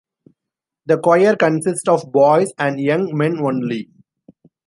The choir consists of boys and young men only.